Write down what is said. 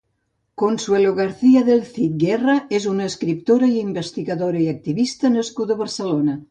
Consuelo García del Cid Guerra és una escriptora, investigadora i activista nascuda a Catalunya.